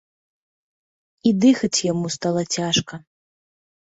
І дыхаць яму стала цяжка.